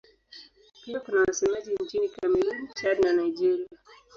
Pia kuna wasemaji nchini Kamerun, Chad na Nigeria.